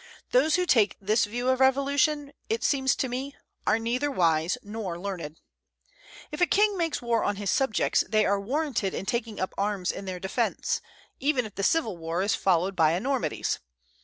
Those who take this view of revolution, it seems to me, are neither wise nor learned. If a king makes war on his subjects, they are warranted in taking up arms in their defence, even if the civil war is followed by enormities.